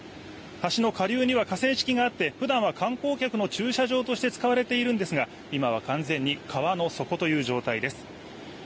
橋の下流には河川敷があって普段は観光客の駐車場として使われているんですが今は完全に川の底という状態です。